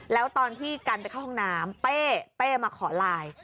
แล้วตอนที่กันไปเข้าห้องน้ำเป้มาขอไลน์